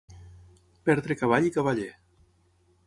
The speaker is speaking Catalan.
Perdre cavall i cavaller.